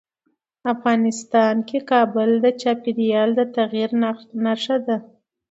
افغانستان کې کابل د چاپېریال د تغیر نښه ده.